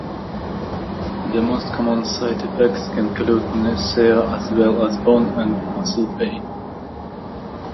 The most common side effects include nausea as well as bone and muscle pain.